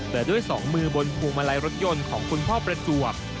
แต่ด้วยสองมือบนพวงมาลัยรถยนต์ของคุณพ่อประจวบ